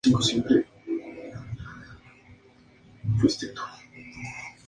Sin embargo, la reunión fue un breve momento de alegría vivido.